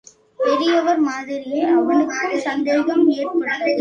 பெரியவர் மாதிரியே அவனுக்கும் சந்தேகம் ஏற்பட்டது.